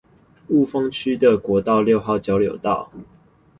霧峰區的國道六號交流道